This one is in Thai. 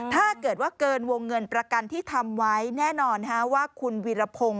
ถ้าเกิดว่าเกินวงเงินประกันที่ทำไว้แน่นอนว่าคุณวีรพงศ์